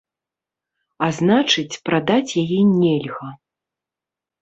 А значыць, прадаць яе нельга.